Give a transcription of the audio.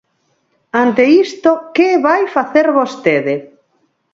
Ante isto, ¿que vai facer vostede?